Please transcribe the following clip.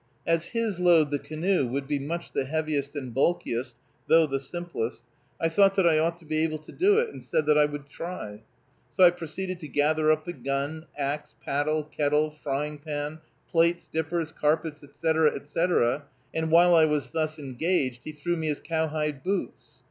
As his load, the canoe, would be much the heaviest and bulkiest, though the simplest, I thought that I ought to be able to do it, and said that I would try. So I proceeded to gather up the gun, axe, paddle, kettle, frying pan, plates, dippers, carpets, etc., etc., and while I was thus engaged he threw me his cowhide boots.